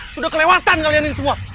sudah kelewatan kalian ini semua